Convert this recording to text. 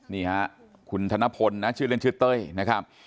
นี่ฮะคุณธนพลนะชื่อเล่นชื่อเต้ยนะครับ